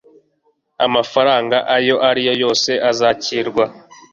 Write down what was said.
Amafaranga ayo ari yo yose azakirwa